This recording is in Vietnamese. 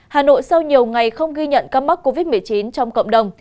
hà nội sau nhiều ngày không ghi nhận ca mắc covid một mươi chín trong cộng đồng